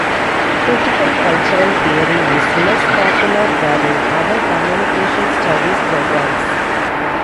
Critical-cultural theory is less popular than in other "communication studies" programs.